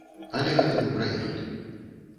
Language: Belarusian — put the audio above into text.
Але гэта мы праехалі.